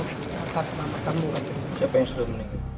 siapa yang sudah meninggal